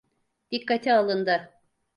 Dikkate alındı.